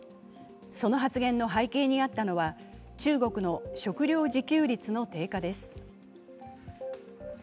その発言の背景にあったのは中国の食料自給率の低下です。